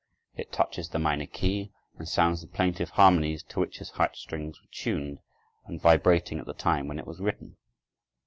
It touches the minor key and sounds the plaintive harmonies to which his heart strings were tuned and vibrating at the time when it was written.